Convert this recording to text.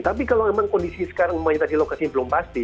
tapi kalau memang kondisi sekarang umumnya tadi lokasinya belum pasti